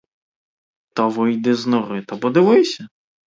Та вийди з нори та подивися.